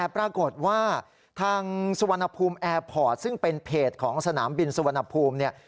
ปรากฏว่าทางสุวรรณภูมิแอร์พอร์ตซึ่งเป็นเพจของสนามบินสุวรรณภูมิเนี่ย